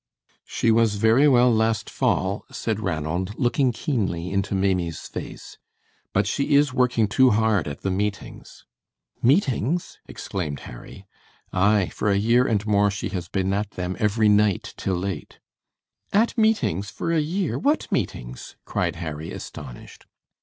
"She was very well last fall," said Ranald, looking keenly into Maimie's face; "but she is working too hard at the meetings." "Meetings!" exclaimed Harry. "Aye, for a year and more she has been at them every night till late." "At meetings for a year! What meetings?" cried Harry, astonished.